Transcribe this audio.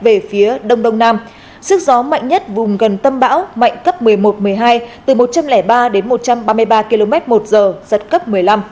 về phía đông đông nam sức gió mạnh nhất vùng gần tâm bão mạnh cấp một mươi một một mươi hai từ một trăm linh ba đến một trăm ba mươi ba km một giờ giật cấp một mươi năm